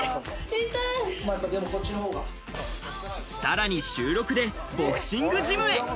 さらに週６でボクシングジムへ。